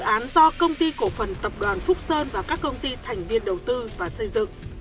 dự án do công ty cổ phần tập đoàn phúc sơn và các công ty thành viên đầu tư và xây dựng